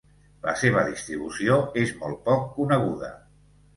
La seva distribució és molt poc coneguda.